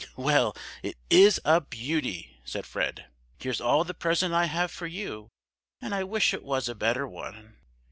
"Well, it is a beauty!" said Fred. "Here's all the present I have for you, and I wish it was a better one."